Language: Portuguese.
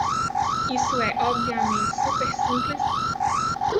Isso é obviamente super simples?